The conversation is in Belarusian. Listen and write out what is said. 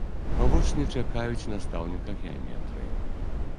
Вучні чакаюць настаўніка геаметрыі.